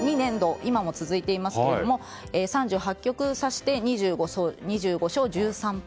今も続いていますが３８局を指して２５勝１３敗。